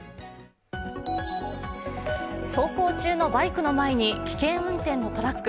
走行中のバイクの前に危険運転のトラック。